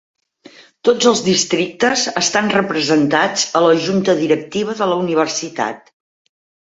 Tots els districtes estan representats a la Junta directiva de la universitat.